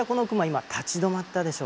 今立ち止まったでしょ？